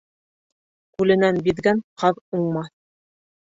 Күленән биҙгән ҡаҙ уңмаҫ.